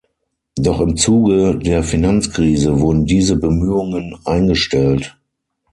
Doch im Zuge der Finanzkrise wurden diese Bemühungen eingestellt.